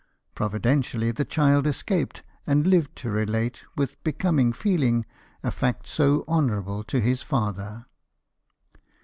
Providentially the child escaped, and lived to relate, with becoming feel ing, a fact so honourable to his father.